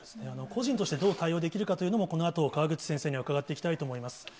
個人としてどう対応できるのかということも、このあと、川口先生には伺っていきたいと思います。